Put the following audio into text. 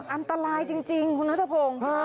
อันตรายจริงคุณน้าทะพง